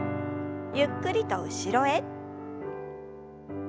ゆっくりと後ろへ。